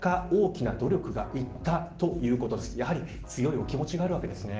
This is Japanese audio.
やはり強いお気持ちがあるわけですね。